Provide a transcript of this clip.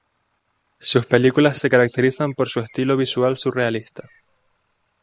Sus películas se caracterizan por su estilo visual surrealista.